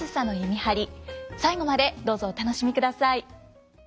最後までどうぞお楽しみください。